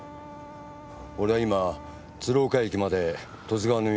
俺は今鶴岡駅まで十津川の見送りに。